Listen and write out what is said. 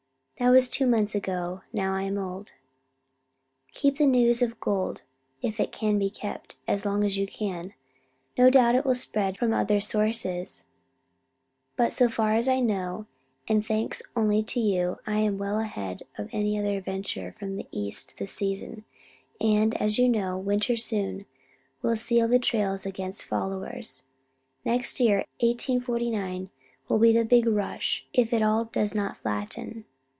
That was two months ago. Now I am old. Keep the news of the gold, if it can be kept, as long as you can. No doubt it will spread from other sources, but so far as I know and thanks only to you I am well ahead of any other adventurer from the East this season, and, as you know, winter soon will seal the trails against followers. Next year, 1849, will be the big rush, if it all does not flatten.